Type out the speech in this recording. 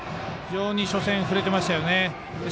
非常に初戦振れていましたよね。